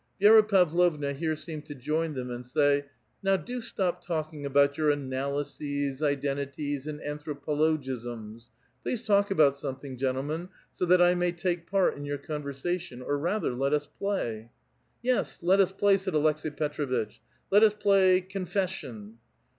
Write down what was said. Vi6ra Pavlovna here seemed to join them and sa} ," Now do stop talking about your analyses^ identities, and anthro pologisms. Please talk about something, gentlemen, so that I may take part in your conversation ; or rather, let us play." "Yes, let us pla}*," said Aleks^i Petr6vitch. "Let us play ' Confession.'